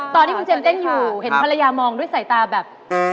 ตอนที่คุณเจมสเต้นอยู่เห็นภรรยามองด้วยสายตาแบบ